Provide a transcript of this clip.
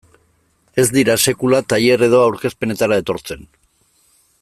Ez dira sekula tailer edo aurkezpenetara etortzen.